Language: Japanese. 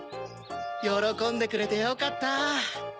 よろこんでくれてよかった！